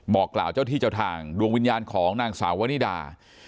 บอกกล่าวเจ้าที่เจ้าทางดวงวิญญาณของนางสาววนิดา